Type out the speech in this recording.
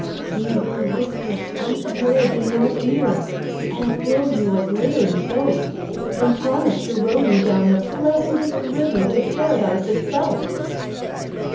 He will whisper sweet words in your ear, and build you a glittering boat, and promise to row you down the pleasantest river to Paradise itself.